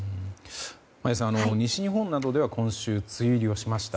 眞家さん、西日本などでは今週、梅雨入りをしました。